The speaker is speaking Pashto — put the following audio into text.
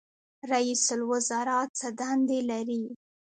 رئیس الوزرا څه دندې لري؟